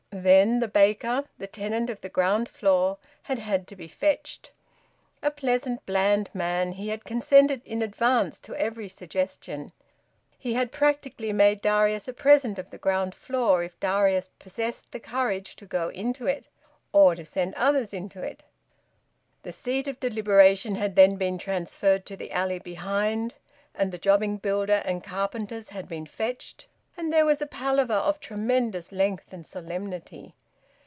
Then the baker, the tenant of the ground floor, had had to be fetched. A pleasant, bland man, he had consented in advance to every suggestion; he had practically made Darius a present of the ground floor, if Darius possessed the courage to go into it, or to send others into it. The seat of deliberation had then been transferred to the alley behind. And the jobbing builder and carpenters had been fetched, and there was a palaver of tremendous length and solemnity.